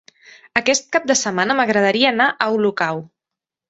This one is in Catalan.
Aquest cap de setmana m'agradaria anar a Olocau.